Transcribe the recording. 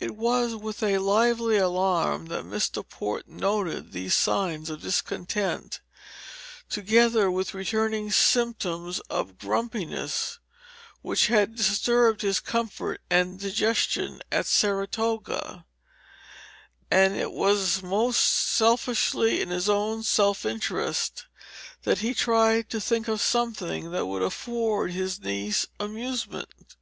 It was with a lively alarm that Mr. Port noted these signs of discontent, together with returning symptoms of the grumpiness which had disturbed his comfort and digestion at Saratoga; and it was most selfishly in his own self interest that he tried to think of something that would afford his niece amusement.